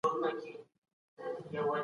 غيبت د ټولنيزو اړيکو د پرې کيدو لامل ګرځي.